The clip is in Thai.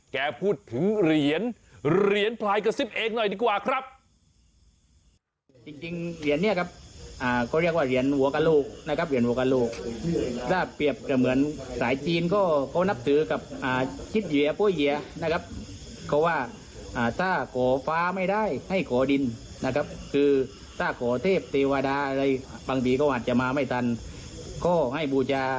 แกพูดถึงเหรียญเหรียญพลายกระซิบเองหน่อยดีกว่าครับ